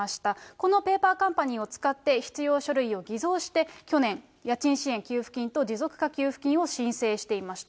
このペーパーカンパニーを使って、必要書類を偽造して、去年、家賃支援給付金と持続化給付金を申請していました。